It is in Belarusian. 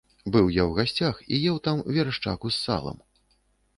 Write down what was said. Быў я ў гасцях і еў там верашчаку з салам.